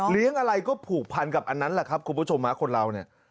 เลี้ยงอะไรก็ผูกพันกับอันนั้นแหละครับคุณผู้ชมของเรา